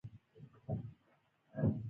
په اوښکو باندي مینځمه خپل کلی ترې روان شم